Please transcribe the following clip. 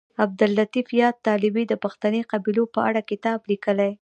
عبداللطیف یاد طالبي د پښتني قبیلو په اړه کتاب لیکلی دی